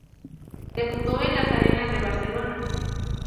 Debutó en las Arenas de Barcelona.